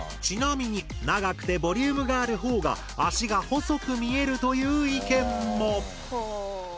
ちなみに長くてボリュームがある方が足が細く見えるという意見も。